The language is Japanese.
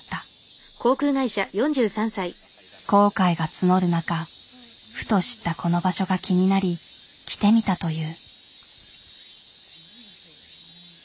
後悔が募る中ふと知ったこの場所が気になり来てみたという。